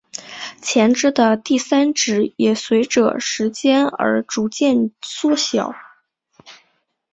前肢的第三指也随者时间而逐渐缩小。